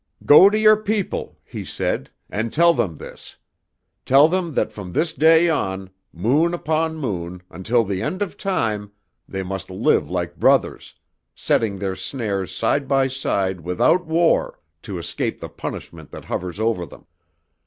"'Go to your people,' he said, 'and tell them this. Tell them that from this day on, moon upon moon, until the end of time, must they live like brothers, setting their snares side by side without war, to escape the punishment that hovers over them.'